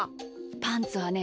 パンツはね